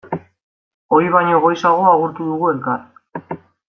Ohi baino goizago agurtu dugu elkar.